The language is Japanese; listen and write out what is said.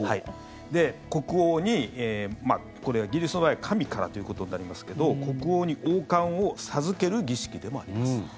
で、国王に、これは神からということになりますけど国王に王冠を授ける儀式でもあります。